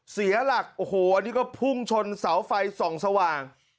เสียหลักโอ้โหอันนี้ก็พุ่งชนเสาไฟส่องสว่าง